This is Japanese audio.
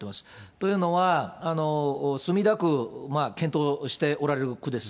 というのは、墨田区、検討しておられる区です。